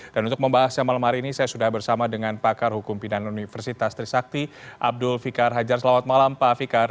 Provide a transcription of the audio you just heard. dan untuk membahas yang malam hari ini saya sudah bersama dengan pakar hukum pindahan universitas trisakti abdul fikar hajar selamat malam pak fikar